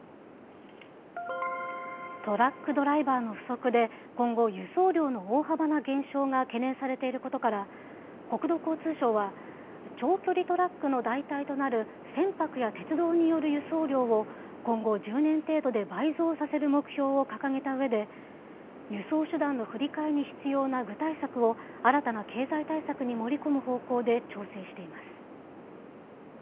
トラックドライバーの不足で今後、輸送量の大幅な減少が懸念されていることから、国土交通省は、長距離トラックの代替となる船舶や鉄道による輸送量を、今後１０年程度で倍増させる目標を掲げたうえで、輸送手段の振り替えに必要な具体策を新たな経済対策に盛り込む方向で調整しています。